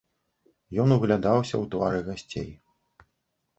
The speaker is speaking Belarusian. Ён углядаўся ў твары гасцей.